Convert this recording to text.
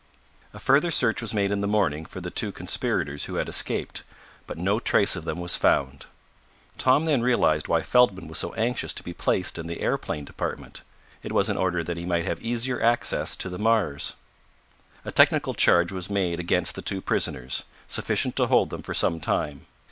A further search was made in the morning for the two conspirators who had escaped, but no trace of them was found. Tom then realized why Feldman was so anxious to be placed in the aeroplane department it was in order that he might have easier access to the Mars. A technical charge was made against the two prisoners, sufficient to hold them for some time.